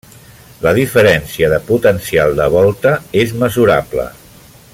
La diferència de potencial de Volta és mesurable.